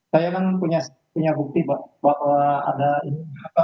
saya kan punya bukti bahwa ada ini